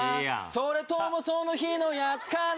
「それともその日のやつかな？」